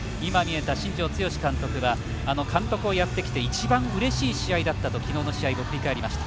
新庄監督は監督をやってきて一番うれしい試合だったと昨日の試合後、振り返りました。